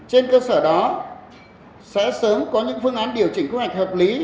trên cơ sở đó sẽ sớm có những phương án điều chỉnh quy hoạch hợp lý